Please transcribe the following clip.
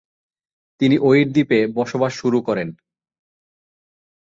তিনি ওয়িট দ্বীপে বসবাস শুরু করেন।